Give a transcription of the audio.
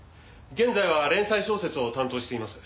現在は連載小説を担当しています。